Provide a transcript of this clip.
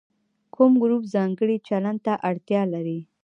کوم ګروپ ځانګړي چلند ته اړتیا لري.